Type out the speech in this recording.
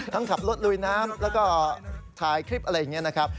ขับรถลุยน้ำแล้วก็ถ่ายคลิปอะไรอย่างนี้นะครับ